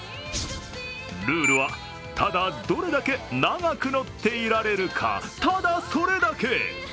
ルールは、ただどれだけ長く乗っていられるか、ただそれだけ。